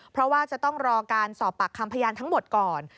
เพราะว่าจะต้องรอการสอบปากคำพยานทั้งหมดก่อน